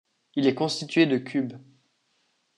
Il est constitué de cubes.